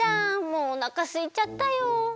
もうおなかすいちゃったよ。